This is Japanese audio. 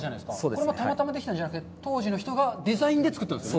これも、たまたまできたんじゃなくて、当時の人がデザインでつくったんですね。